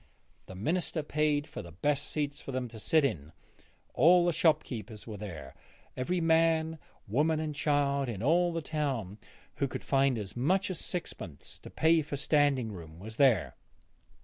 The minister paid for the best seats for them to sit in. All the shopkeepers were there; every man, woman and child in all the town who could find as much as sixpence to pay for standing room was there.